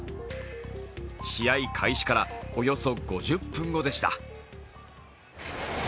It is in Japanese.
試合開始からおよそ５０分後でした。